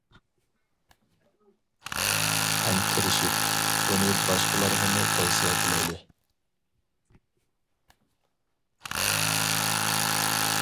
ھەم تىرىشىپ بۇنى باشقىلارغىمۇ تەۋسىيە قىلايلى!